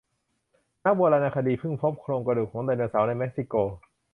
นักโบราณคดีเพิ่งพบโครงกระดูกของไดโนเสาร์ในเม็กซิโก